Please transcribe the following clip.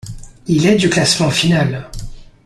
Il est du classement final.